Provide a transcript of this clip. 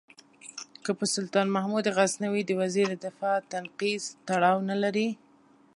که په سلطان محمود غزنوي د وزیر دفاع تنقید تړاو نه لري.